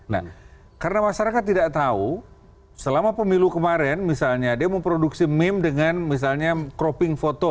nah karena masyarakat tidak tahu selama pemilu kemarin misalnya dia memproduksi meme dengan misalnya cropping foto